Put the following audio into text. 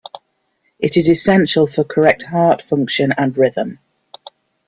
It is essential for correct heart function and rhythm.